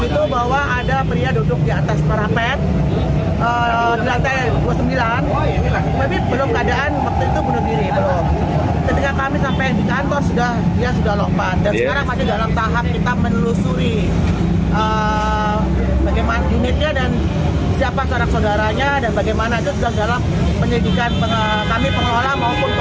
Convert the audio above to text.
jangan lupa like share dan subscribe ya